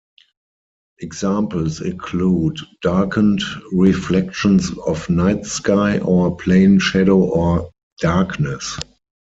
Examples include darkened reflections of night sky, or plain shadow or darkness.